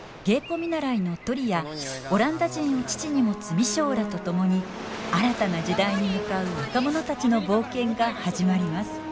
芸妓見習のトリやオランダ人を父に持つ未章らと共に新たな時代に向かう若者たちの冒険が始まります。